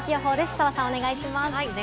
澤さん、お願いします。